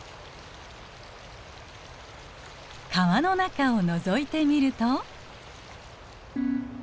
川の中をのぞいてみると。